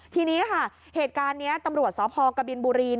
ทีนี้ค่ะเหตุการณ์นี้ตำรวจสพกบินบุรี